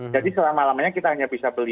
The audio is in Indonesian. jadi selama lamanya kita hanya bisa beli